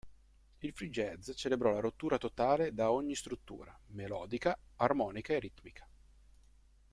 Il free jazz celebrò la rottura totale da ogni struttura, melodica, armonica e ritmica.